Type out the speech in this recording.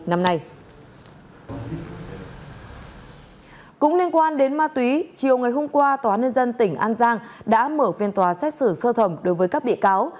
cũng liên quan đến ma túy chiều ngày hôm qua tòa nhân dân tỉnh an giang đã mở phiên tòa xét xử sơ thẩm đối với các bị cáo